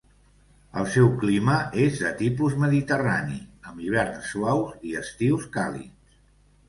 El seu clima és de tipus mediterrani amb hiverns suaus i estius càlids.